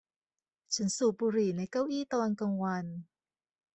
ฉันสูบบุหรี่ในเก้าอี้ตอนกลางวัน